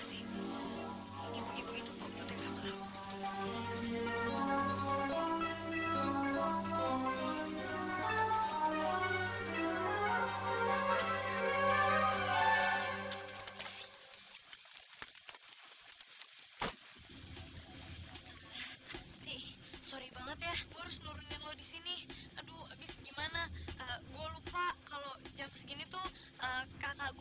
sorry banget ya harus nurunin lo di sini aduh abis gimana gua lupa kalau jam segini tuh kakak